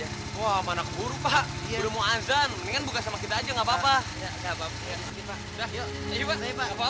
wah mana keburu pak belum mau azan mendingan buka sama kita aja nggak apa apa